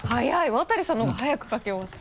渡さんの方が早く書き終わった。